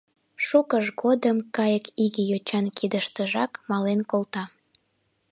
Шукыж годым кайыкиге йочан кидыштыжак мален колта.